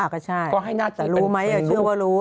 ก็ใช่แต่รู้ไหมอย่าเชื่อว่ารู้